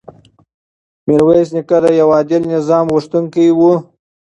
میرویس نیکه د یو عادل نظام غوښتونکی و.